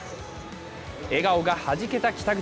笑顔がはじけた北口。